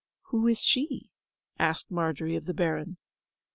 'Who is she?' asked Margery of the Baron.